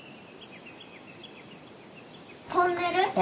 トンネル。